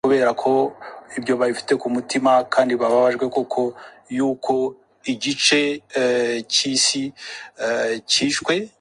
marlon wayans